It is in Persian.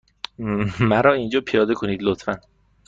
مرا اینجا پیاده کنید، لطفا.